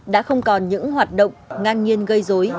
đã không còn những hoạt động ngang nhiên gây dối